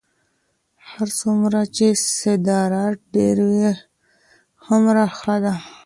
هر څومره چې صادرات ډېر وي هغومره ښه ده.